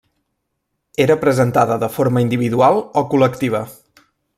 Era presentada de forma individual o col·lectiva.